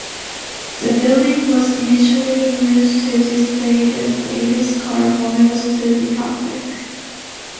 The building was initially used to display the latest car models to the public.